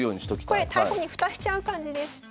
これ大砲に蓋しちゃう感じです。